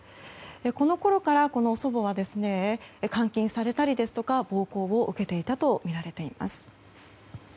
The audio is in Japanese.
このころから祖母は監禁されたりですとか暴行を受けていたとみられています。